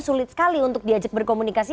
sulit sekali untuk diajak berkomunikasi